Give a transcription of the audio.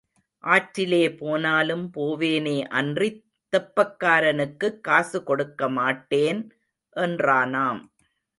ஆற்றிலே போனாலும் போவேனே அன்றித் தெப்பக்காரனுக்குக் காசு கொடுக்க மாட்டேன் என்றானாம்.